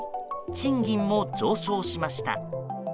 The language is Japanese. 賃金も上昇しました。